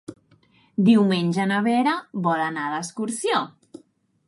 Diumenge na Vera vol anar d'excursió.